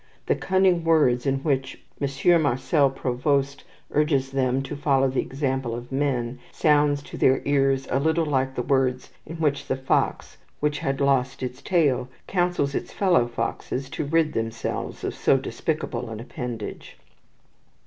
The cunning words in which M. Marcel Provost urges them to follow the example of men, sounds, to their ears, a little like the words in which the fox which had lost its tail counsels its fellow foxes to rid themselves of so despicable an appendage.